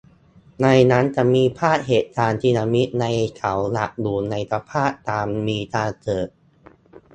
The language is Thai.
ในนั้นจะมีภาพเหตุการณ์สึนามิในเขาหลักอยู่ในสภาพตามมีตามเกิด